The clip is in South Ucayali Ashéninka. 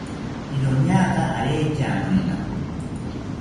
iroñaka aretya noena